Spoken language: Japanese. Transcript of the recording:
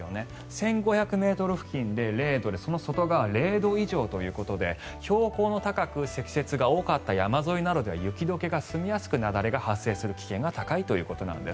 １５００ｍ付近で０度でその外側０度以上ということで標高の高く積雪の多かった山沿いなどでは雪解けが進みやすく雪崩が発生する可能性が高いということなんです。